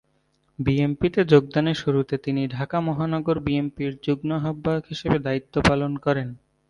বিএনপিতে যোগদানের শুরুতে তিনি ঢাকা মহানগর বিএনপির যুগ্ম আহ্বায়ক হিসেবে দায়িত্ব পালন করেন।